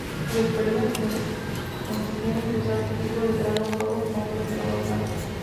Sus experimentos consistían en cruzar trigo de granos rojos con otro de granos blancos.